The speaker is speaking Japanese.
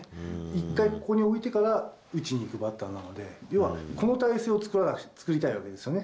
一回ここに置いてから打ちにいくバッターなので、要はこの体勢を作りたいわけですよね。